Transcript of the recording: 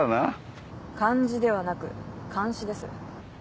感じではなく監視です。